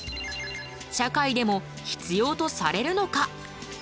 社会でも必要とされるのか？